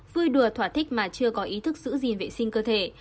vui đùa thỏa thích mà chưa có ý thức giữ gìn vệ sinh cơ thể